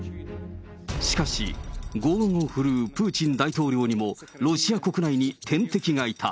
しかし、剛腕を振るうプーチン大統領にもロシア国内に天敵がいた。